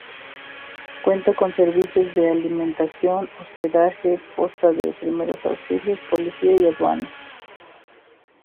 Cuenta con servicios de alimentación, hospedaje, posta de primeros auxilios, policía y aduanas.